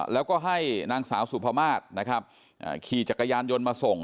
แล้วก็ให้นางสาวสุภามาศนะครับขี่จักรยานยนต์มาส่ง